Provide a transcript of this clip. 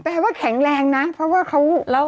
ว่าแข็งแรงนะเพราะว่าเขาแล้ว